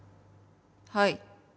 はい。